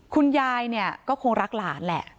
คุณยายเนี่ยก็คงรักหลานแหละ